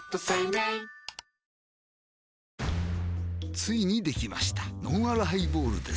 ついにできましたのんあるハイボールです